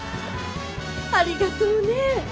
ありがとうね。